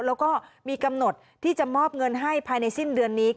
แล้วก็มีกำหนดที่จะมอบเงินให้ภายในสิ้นเดือนนี้